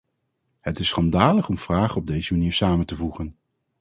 Het is schandalig om vragen op deze manier samen te voegen.